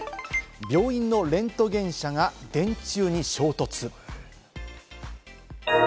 病院のレントゲン車が電柱に衝突。